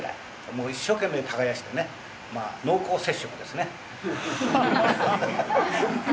もう一生懸命耕してね、農耕接触ですね。